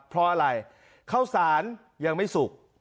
เพราะอะไรข้าวสารยังไม่สุก